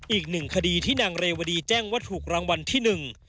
อีกหนึ่งคดีที่นางเรวดีแจ้งว่าถูกรางวัลที่หนึ่ง